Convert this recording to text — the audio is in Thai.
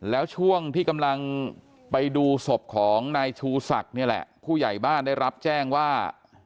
แล้วช่วงที่กำลังไปดูศพของนายชูศักดิ์นี่แหละผู้ใหญ่บ้านได้รับแจ้งว่า